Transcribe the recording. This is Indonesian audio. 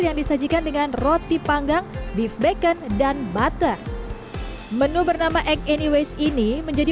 yang disajikan dengan roti panggang beef bacon dan butter menu bernama ag anywayste ini menjadi